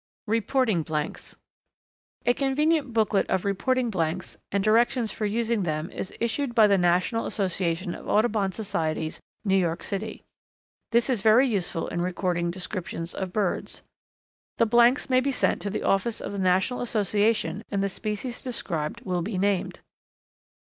Reporting Blanks. A convenient booklet of reporting blanks and directions for using them is issued by the National Association of Audubon Societies, New York City. This is very useful in recording descriptions of birds. (See sample, page 13.) The blanks may be sent to the office of the National Association and the species described will be named.